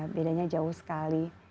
bedanya jauh sekali